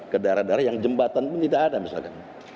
ke daerah daerah yang jembatan pun tidak ada misalkan